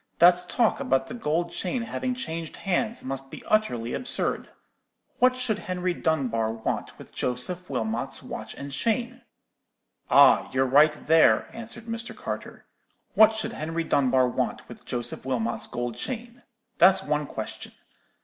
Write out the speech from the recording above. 'That talk about the gold chain having changed hands must be utterly absurd. What should Henry Dunbar want with Joseph Wilmot's watch and chain?' "'Ah, you're right there,' answered Mr. Carter. 'What should Henry Dunbar want with Joseph Wilmot's gold chain? That's one question.